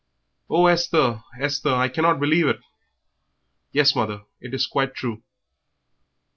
"Oh, Esther, Esther, I cannot believe it!" "Yes, mother, it is quite true."